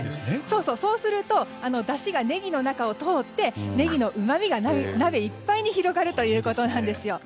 立てると、だしがネギの中を通ってネギのうまみが鍋いっぱいに広がるということなんですよ。